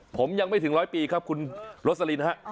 ผมยังไม่ถึงร้อยปีครับคุณโรสลินฮะ